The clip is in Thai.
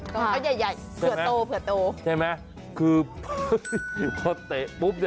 เขาใหญ่เผื่อโตใช่ไหมคือเพราะเตะปุ๊บ